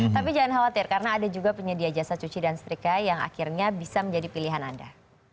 tapi jangan khawatir karena ada juga penyedia jasa cuci dan setrika yang akhirnya bisa menjadi pilihan anda